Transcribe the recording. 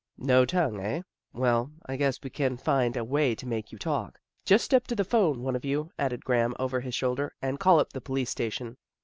" No tongue, eh? Well, I guess we can find a way to make you talk. Just step to the 'phone, one of you," added Graham over his shoulder, " and call up the police station."